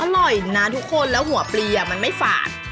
อร่อยนะทุกคนแล้วหัวปลีมันไม่ฝาด